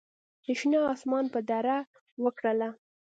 د شنه اسمان پر دړه وکرله